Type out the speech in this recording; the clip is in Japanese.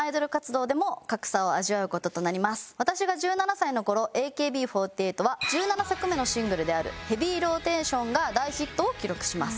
私が１７歳の頃ＡＫＢ４８は１７作目のシングルである『ヘビーローテーション』が大ヒットを記録します。